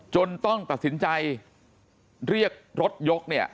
ต้องตัดสินใจเรียกรถยกเนี่ย